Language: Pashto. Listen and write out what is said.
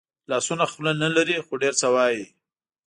لاسونه خوله نه لري خو ډېر څه وايي